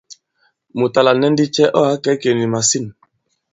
Mùt à lànɛ ndi cɛ ɔ̂ ǎ kɛ̀ i ikè nì màsîn ?